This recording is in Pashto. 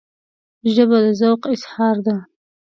ژبه د ذوق اظهار ده